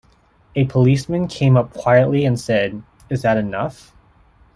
A policeman came up quietly and said: 'Is that enough?